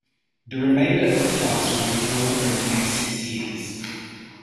The remainder of the class were withdrawn over the next six years.